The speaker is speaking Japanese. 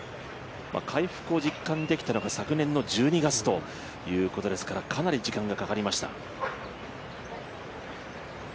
回復を実感できたのが昨年の１２月ということですからかなり時間がかかりました。